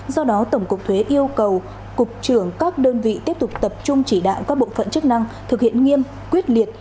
do đó tổng cục thuế yêu cầu cục trưởng các đơn vị tiếp tục tập trung chỉ đạo các bộ phận chức năng thực hiện nghiêm quyết liệt